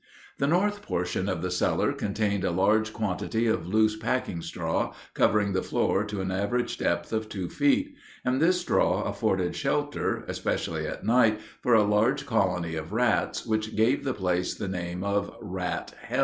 The north portion of the cellar contained a large quantity of loose packing straw, covering the floor to an average depth of two feet; and this straw afforded shelter, especially at night, for a large colony of rats, which gave the place the name of "Rat Hell."